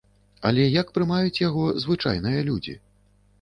Але як прымаюць яго звычайныя людзі?